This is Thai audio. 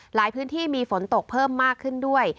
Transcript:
หลายพื้นที่มีฝนตกเพิ่มมากขึ้นด้วย